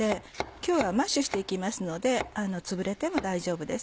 今日はマッシュして行きますのでつぶれても大丈夫です。